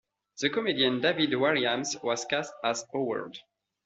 The comedian David Walliams was cast as Howerd.